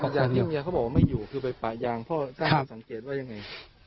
สัญญาที่เมียเขาบอกว่าไม่อยู่คือไปปะยางเพราะท่านสังเกตว่ายังไง